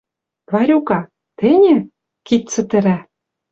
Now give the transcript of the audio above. «Варюка. Тӹньӹ?!» — кид цӹтӹрӓ.